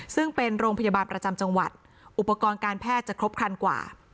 ซึ่งเป็นโรงพยาบาลประจำจังหวัดอุปกรณ์การแพทย์จะครบครันกว่า